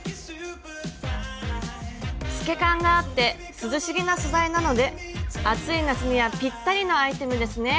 透け感があって涼しげな素材なので暑い夏にはぴったりのアイテムですね。